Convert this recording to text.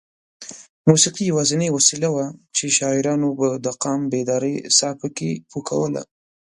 موسېقي یوازینۍ وسیله وه چې شاعرانو به د قام بیدارۍ ساه پکې پو کوله.